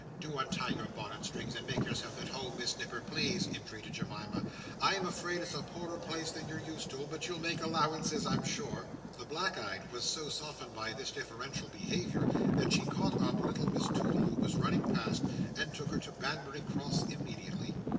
"Do untie your bonnet strings, and make yourself at home, Miss Nipper, please," entreated Jemima. "I am afraid it's a poorer place than you're used to; but you'll make allowances, I'm sure." The black eyed was so softened by this deferential behaviour, that she caught up little Miss Toodle who was running past, and took her to Banbury Cross immediately.